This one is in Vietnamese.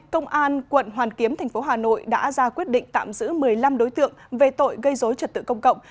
công an quận hoàn kiếm thành phố hà nội đã ra quyết định tạm giữ một mươi năm đối tượng về tội gây dối trật tự công cộng